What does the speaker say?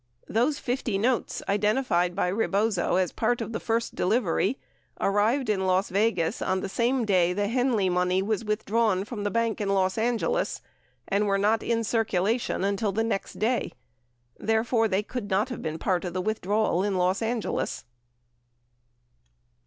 Those 50 notes identified by Rebozo as part of the first delivery arrived in Las Vegas on the same day the Henley money was withdrawn from the bank in Los Angeles and were not in circulation until the next day. Therefore, they could not have been part of the withdrawal in Los Angeles.